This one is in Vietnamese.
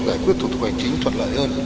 giải quyết thủ tục hành chính thuận lợi hơn